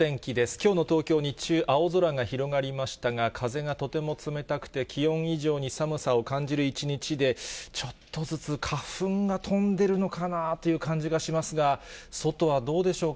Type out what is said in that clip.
きょうの東京、日中、青空が広がりましたが、風がとても冷たくて、気温以上に寒さを感じる１日で、ちょっとずつ花粉が飛んでるのかなという感じがしますが、外はどうでしょうか。